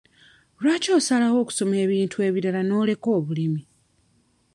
Lwaki osalawo okusoma ebintu ebirala n'oleka obulimi?